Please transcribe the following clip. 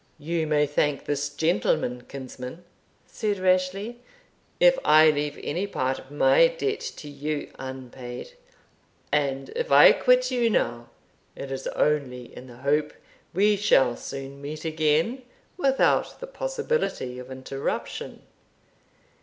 "You may thank this gentleman, kinsman," said Rashleigh, "if I leave any part of my debt to you unpaid; and if I quit you now, it is only in the hope we shall soon meet again without the possibility of interruption."